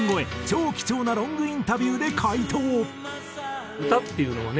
超貴重なロングインタビューで回答。